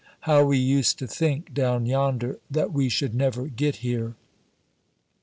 How we used to think, down yonder, that we should never get here!